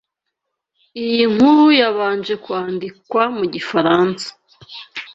Iyi nkuru yabanje kwandikwa mugifaransa.